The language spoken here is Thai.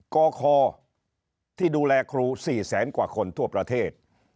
กคที่ดูแลครู๔แสนกว่าคนทั่วประเทศ